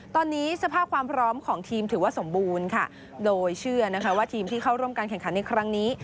ตอนนี้สภาพความพร้อมของทีมถือว่าสมบูรณ์ค่ะโดยเชื่อนะคะว่าทีมที่เข้าร่วมการแข่งขันในครั้งนี้